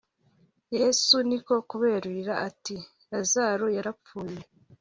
Yesu ni ko kuberurira ati Lazaro yarapfuye